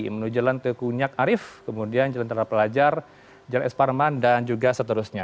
menuju jalan tekunyak arif kemudian jalan tentara pelajar jalan esparman dan juga seterusnya